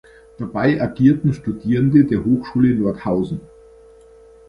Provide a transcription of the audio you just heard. Dabei agierten Studierende der Hochschule Nordhausen.